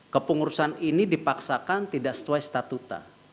kepengurusan ini dipaksakan tidak sesuai statuta